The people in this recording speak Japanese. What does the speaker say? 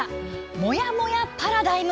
「もやもやパラダイム」。